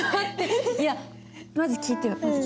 いやまず聞いてよ。